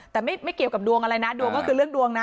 แต่ไม่เกี่ยวกับดวงอะไรนะเรื่องดวงนะ